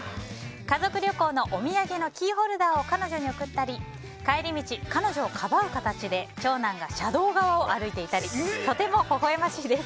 家族旅行のお土産のキーホルダーを彼女に贈ったり帰り道、彼女をかばう形で長男が車道側を歩いていたりとてもほほ笑ましいです。